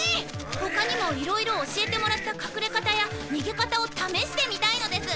ほかにもいろいろ教えてもらった隠れ方や逃げ方をためしてみたいのです。